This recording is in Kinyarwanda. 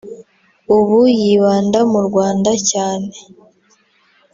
ubu yibanda mu Rwanda cyane